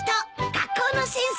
学校の先生。